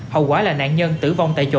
hậu quả là nạn nhân tử vong tại chỗ